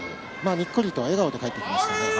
にっこりと笑顔で帰ってきました。